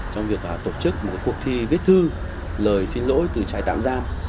trong việc tổ chức một cuộc thi viết thư lời xin lỗi từ trại tạm giam